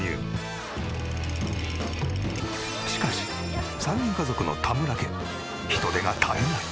しかし３人家族の田村家人手が足りない。